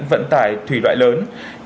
vận tải thủy loại lớn